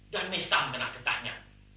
dan mistam kena ketahnya